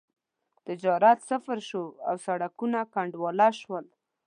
تجارت صفر شو او سړکونه کنډواله شول.